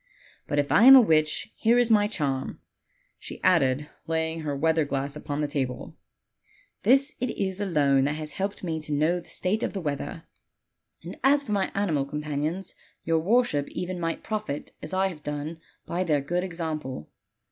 But if I am a witch, here is my charm," she added, lay ing her weather glass upon the table; "this it is alone that has helped me to know the state of the weather. And as for my animal companions, your worship even might profit as I have done by their good example.